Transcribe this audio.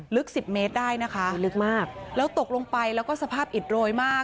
ลึกสิบเมตรได้นะคะลึกมากแล้วตกลงไปแล้วก็สภาพอิดโรยมาก